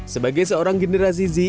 sebagai seorang generasi z